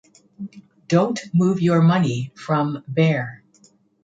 Don't move your money from Bear.